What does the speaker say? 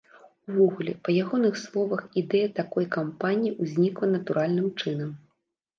Увогуле, па ягоных словах, ідэя такой кампаніі ўзнікла натуральным чынам.